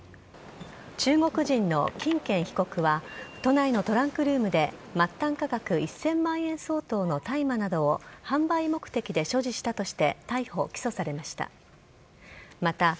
中国人の金健被告は都内のトランクルームで、末端価格１０００万円相当の大麻などを販売目的で所持したとして、逮捕・起訴されました。